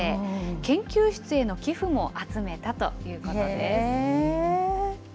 研究室への寄付も集めたということです。